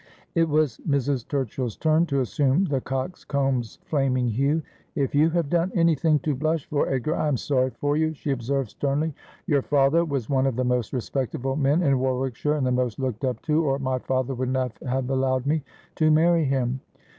It was Mrs. Turchill's turn to assume the cock's comb's flaming hue. ' If you have done anything to blush for, Edgar, I am sorry for you,' she observed sternly. ' Your father was one of the most respectable men in "Warwickshire, and the most looked up to, or my father would not have allowed me to marry him.'